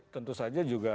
tentu saja juga